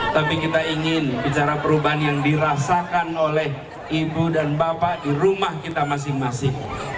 tapi kita ingin bicara perubahan yang dirasakan oleh ibu dan bapak di rumah kita masing masing